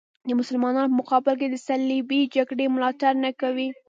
د مسلمانانو په مقابل کې د صلیبي جګړې ملاتړ نه کوي.